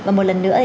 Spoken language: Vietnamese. và một lần nữa